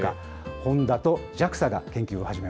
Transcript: ホンダとＪＡＸＡが研究を始め